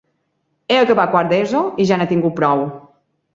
He acabat quart d'ESO i ja n'he tingut prou.